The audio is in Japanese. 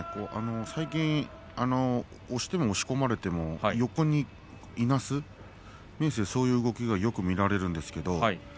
最近は押しても押し込まれても横にいなす、明生はそういう動きがよく見られます。